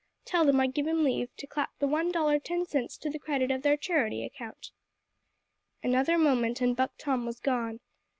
Tell them I give 'em leave to clap the one dollar ten cents to the credit of their charity account." Another moment and Buck Tom was gone.